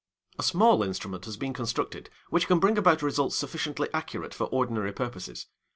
A small instrument has been constructed which can bring about results sufficiently accurate for ordinary purposes.